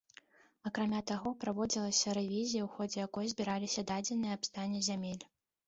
Акрамя таго, праводзілася рэвізія, у ходзе якой збіраліся дадзеныя аб стане зямель.